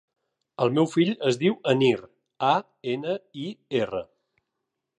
El meu fill es diu Anir: a, ena, i, erra.